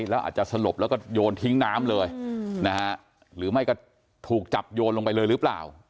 แล้วอาจจะสลบแล้วก็โยนทิ้งน้ำเลยนะฮะหรือไม่ก็ถูกจับโยนลงไปเลยหรือเปล่า